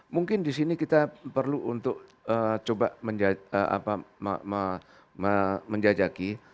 mungkin disini kita perlu untuk coba menjajaki